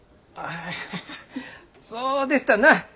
あハハッそうでしたな。